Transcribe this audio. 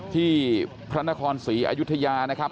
ที่พระนครศรีอยุธยานะครับ